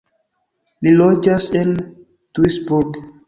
Li loĝas en Duisburg.